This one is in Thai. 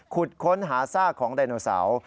ค้นหาซากของไดโนเสาร์